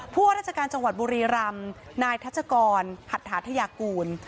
ว่าราชการจังหวัดบุรีรำนายทัชกรหัตถาธยากูล